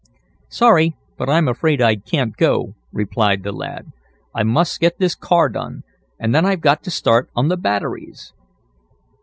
"Sorry, but I'm afraid I can't go," replied the lad. "I must get this car done, and then I've got to start on the batteries."